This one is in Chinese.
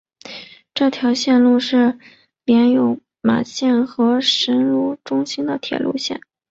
这条线路是连接有马线和神户市中心的铁路线。